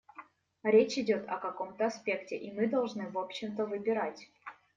Речь идет о каком-то аспекте, и мы должны в общем-то выбирать.